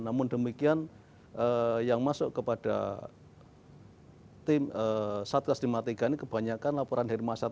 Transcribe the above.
namun demikian yang masuk kepada tim satu ratus lima puluh tiga ini kebanyakan laporan hermasa tiga ini